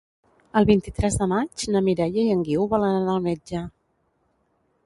El vint-i-tres de maig na Mireia i en Guiu volen anar al metge.